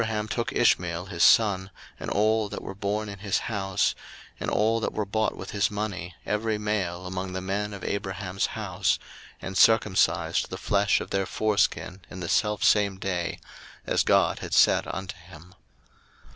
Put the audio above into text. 01:017:023 And Abraham took Ishmael his son, and all that were born in his house, and all that were bought with his money, every male among the men of Abraham's house; and circumcised the flesh of their foreskin in the selfsame day, as God had said unto him.